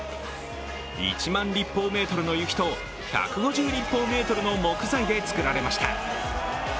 １万立方メートルの雪と１５０立方メートルの木材で作られました。